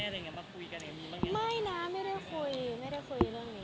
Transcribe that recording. เซอร์ทุกเพราะโปะยังไม่ได้คุยกัน